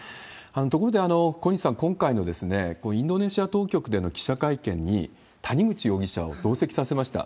ところで小西さん、今回のインドネシア当局での記者会見に、谷口容疑者を同席させました。